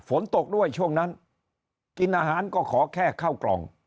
ฝนตกด้วยช่วงนั้นกินอาหารก็ขอแค่เข้ากล่อง